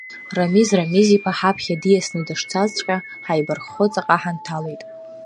Рамиз Рамиз-иԥа ҳаԥхьа диасны дышцазҵәҟьа, ҳаибарххо ҵаҟа ҳанҭалеит.